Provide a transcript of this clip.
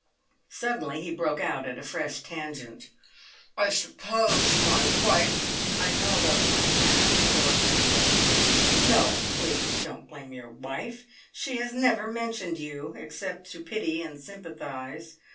Suddenly he broke out at a fresh tangent. "I suppose my wife " I held up my hand authoritatively. "No, please! Don't blame your wife. She has never mentioned you, except to pity and sympathise.